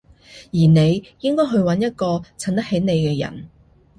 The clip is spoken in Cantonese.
而你應該去搵一個襯得起你嘅人